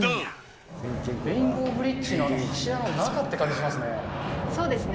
レインボーブリッジの柱の中って感じがしますね。